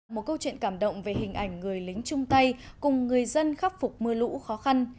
một câu chuyện cảm động về hình ảnh người lính chung tay cùng người dân khắc phục mưa lũ khó khăn